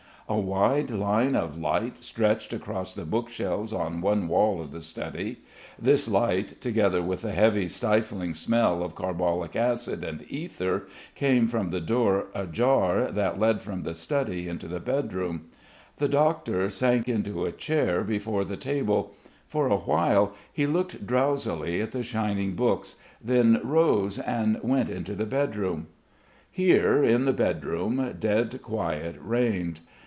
A wide line of light stretched across the bookshelves on one wall of the study; this light, together with the heavy stifling smell of carbolic acid and ether came from the door ajar that led from the study into the bed room.... The doctor sank into a chair before the table; for a while he looked drowsily at the shining books, then rose and went into the bed room. Here, in the bed room, dead quiet reigned.